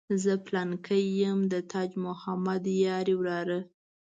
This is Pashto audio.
زه پلانکی یم د تاج محمد یاري وراره.